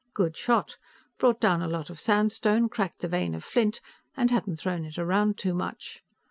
Good shot: brought down a lot of sandstone, cracked the vein of flint and hadn't thrown it around too much.